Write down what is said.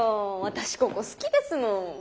私ここ好きですもん。